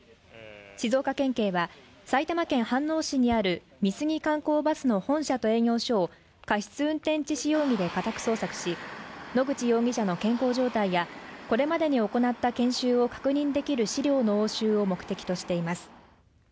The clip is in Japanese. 静岡県警は埼玉県飯能市にある美杉観光バスの本社と営業所を過失運転致死容疑で家宅捜索し野口容疑者の健康状態やこれまでに行なった研修を確認できる資料の押収を目的としています